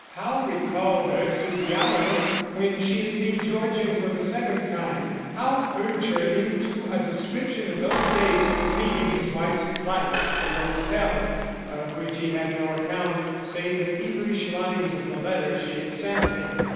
How recall her to the hour when she had seen Georgian for the second time? How urge her into a description of those days succeeding his wife's flight from the hotel, of which he had no account, save the feverish lines of the letter she had sent him.